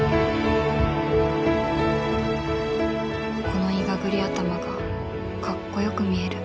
このいがぐり頭がかっこよく見える